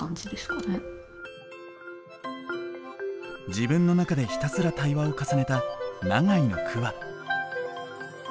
自分の中でひたすら対話を重ねた永井の句は。